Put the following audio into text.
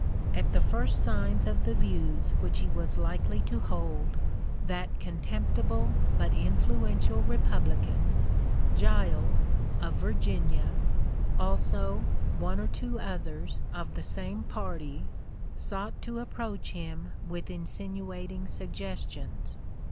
At the first signs of the views which he was likely (p. 065) to hold, that contemptible but influential Republican, Giles, of Virginia, also one or two others of the same party, sought to approach him with insinuating suggestions.